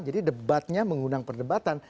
jadi debatnya mengundang perdebatan